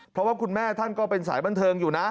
เพราะว่าคุณแม่ท่านก็เป็นสายบันเทิงอยู่นะ